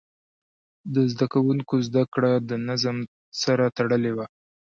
د زده کوونکو زده کړه د نظم سره تړلې وه.